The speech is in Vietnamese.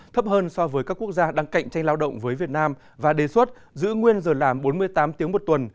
thấp hơn so với các quốc gia đang cạnh tranh lao động với việt nam và đề xuất giữ nguyên giờ làm bốn mươi tám tiếng một tuần